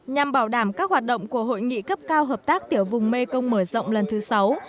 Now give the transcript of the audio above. nhằm bảo đảm các hoạt động của hội nghị cấp cao hợp tác tiểu vùng mekong mở rộng lần thứ sáu